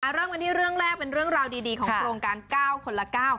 มันว่าเรื่องเรียกเรื่องแรกเป็นสายเหลือเรื่องราวดีของโครงการ๙คนละ๙